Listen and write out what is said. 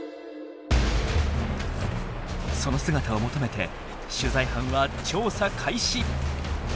その姿を求めて取材班は調査開始。